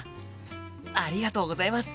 ありがとうございます！